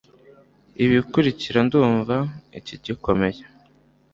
ibikurikira ndumva, ikintu gikomeye